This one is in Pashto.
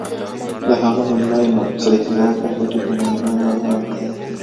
د هغه لومړی نوم سریښناکه خټه په معنا دی.